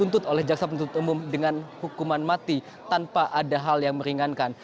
menjatuhkan kembali ke jasa penuntut umum dengan hukuman mati tanpa ada hal yang meringankan